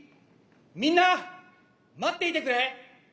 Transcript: みんな待っていてくれ！